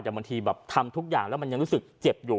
แต่บางทีแบบทำทุกอย่างแล้วมันยังรู้สึกเจ็บอยู่